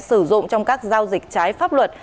sử dụng trong các giao dịch trái pháp luật